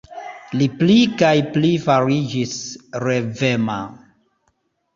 Li pli kaj pli fariĝis revema.